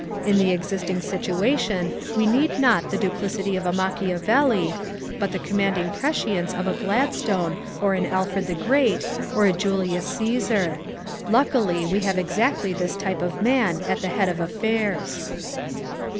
In the existing situation we need not the duplicity of a Machiavelli, but the commanding prescience of a Gladstone or an Alfred the Great, or a Julius Caesar. Luckily we have exactly this type of man at the head of affairs."